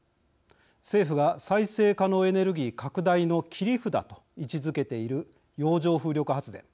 政府が再生可能エネルギー拡大の切り札と位置づけている洋上風力発電。